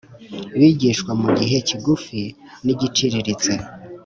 bwigishwa mu gihe kigufi n igiciriritse